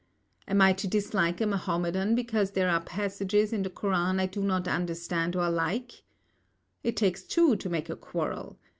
Am I to dislike a Mahomedan because there are passages in the Koran I do not understand or like? It takes two to make a quarrel.